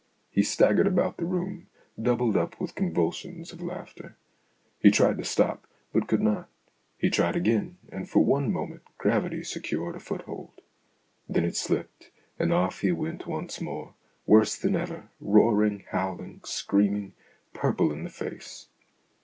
He staggered about the room, doubled up with con vulsions of laughter ; he tried to stop, but could not ; he tried again, and for one moment gravity secured a foothold ; then it slipped and off he went once more, worse than ever, roaring, howling, screaming, purple in the face.